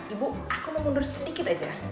ibu aku mau mundur sedikit aja